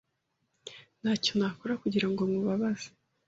Ntacyo nakora kugirango nkubabaze.